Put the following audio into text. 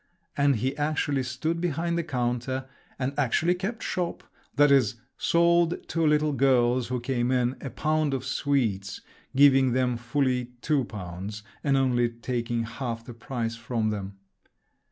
And he actually stood behind the counter, and actually kept shop, that is, sold two little girls, who came in, a pound of sweets, giving them fully two pounds, and only taking half the price from them.